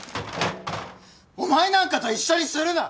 お前なんかと一緒にするな！